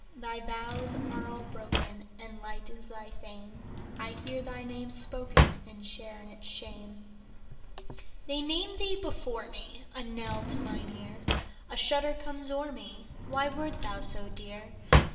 Thy vows are all broken, And light is thy fame:I hear thy name spokenAnd share in its shame. They name thee before me,A knell to mine ear;A shudder comes o'er me—Why wert thou so dear?